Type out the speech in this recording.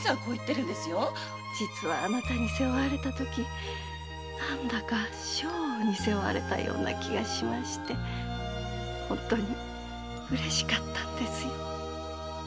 実はあなたに背負われた時何だか将翁のような気がして本当にうれしかったんですよ。